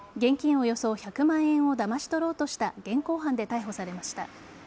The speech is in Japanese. およそ１００万円をだまし取ろうとした現行犯で逮捕されました。